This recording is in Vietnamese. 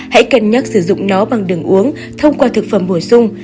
hãy cân nhắc sử dụng nó bằng đường uống thông qua thực phẩm bổ sung